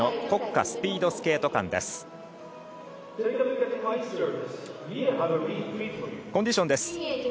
コンディションです。